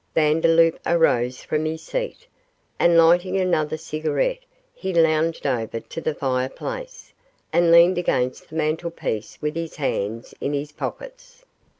Vandeloup arose from his seat, and lighting another cigarette he lounged over to the fireplace, and leaned against the mantelpiece with his hands in his pockets.